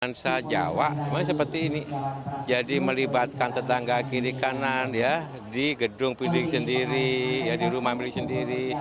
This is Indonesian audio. lansa jawa memang seperti ini jadi melibatkan tetangga kiri kanan ya di gedung pilih sendiri di rumah pilih sendiri